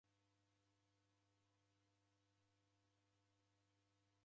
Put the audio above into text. Fuma shighadi